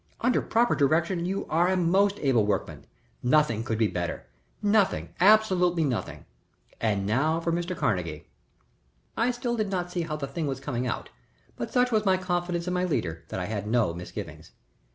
"Under proper direction you are a most able workman. Nothing could be better. Nothing absolutely nothing. And now for Mr. Carnegie." I still did not see how the thing was coming out, but such was my confidence in my leader that I had no misgivings.